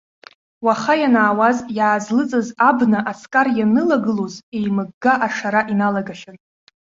Уаха ианаауаз иаазлыҵыз абна аҵкар ианнылагылоз, еимыгга ашара иналагахьан.